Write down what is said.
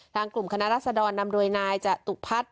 ทางกลุ่มคณะรัฐสดรนำโดยนายจากตุ๊กพัฒน์